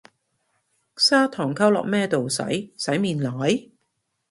砂糖溝落咩度洗，洗面奶？